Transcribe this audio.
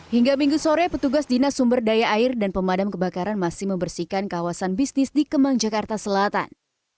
hingga minggu sore petugas dinas sumber daya air dan pemadam kebakaran masih membersihkan kawasan bisnis di kemang jakarta selatan